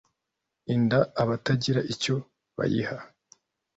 inda abatagira icyo bayiha ,